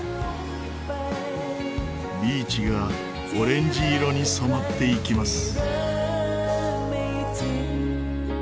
ビーチがオレンジ色に染まっていきます。